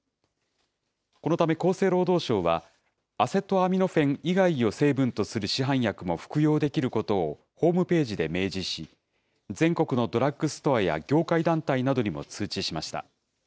このため、厚生労働省は、アセトアミノフェン以外を成分とする市販薬も服用できることをホームページで明示し、全国のドラッグストアや業界団体などにも通知しました。